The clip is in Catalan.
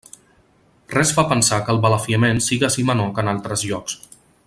Res fa pensar que el balafiament siga ací menor que en altres llocs.